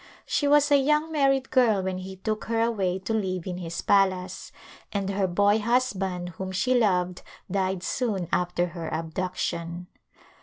She was a young married girl when he took her away to live in his palace, and her boy husband whom she loved died soon after her abduction.